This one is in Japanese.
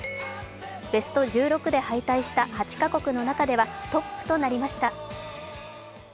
ベスト１６で敗退した８か国の中ではトップとなりました。